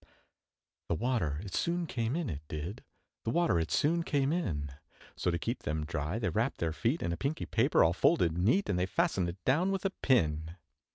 The water it soon came in, it did, The water it soon came in; So to keep them dry, they wrapped their feet In a pinky paper all folded neat, And they fastened it down with a pin.